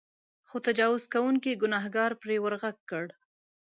خو تجاوز کوونکي ګنهکار پرې ورغږ کړ.